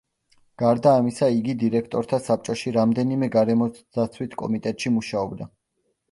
გარდა ამისა იგი დირექტორთა საბჭოში რამდენიმე გარემოსდაცვით კომიტეტში მუშაობდა.